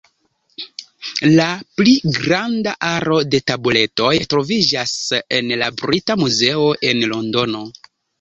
La pli granda aro de tabuletoj troviĝas en la Brita Muzeo, en Londono.